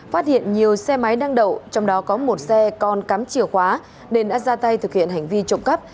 phát hiện nhiều xe máy đang đậu trong đó có một xe con cắm chìa khóa nên đã ra tay thực hiện hành vi trộm cắp